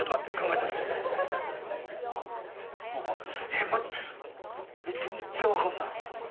えっ全然分かんない。